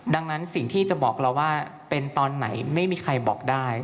ดังนั้นสิ่งที่จะบอกเราว่าเป็นตอนไหนไม่มีใครบอกได้